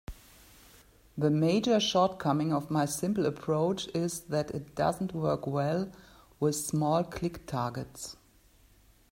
The major shortcoming of my simple approach is that it doesn't work well with small click targets.